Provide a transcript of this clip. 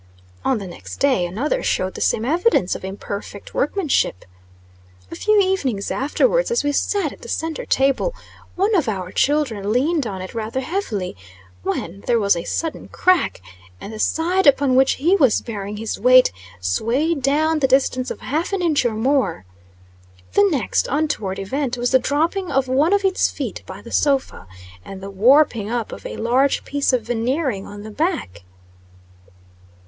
On the next day, another showed the same evidence of imperfect workmanship. A few evenings afterwards, as we sat at the centre table, one of our children leaned on it rather heavily, when there was a sudden crack, and the side upon which he was bearing his weight, swayed down the distance of half an inch or more. The next untoward event was the dropping of one of its feet by the sofa, and the warping up of a large piece of veneering on the back.